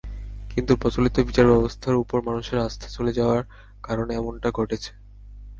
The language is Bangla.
কিন্তু প্রচলিত বিচারব্যবস্থার ওপর মানুষের আস্থা চলে যাওয়ার কারণে এমনটা ঘটছে।